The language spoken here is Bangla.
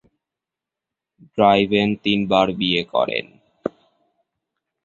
ড্রাইডেন তিনবার বিয়ে করেন।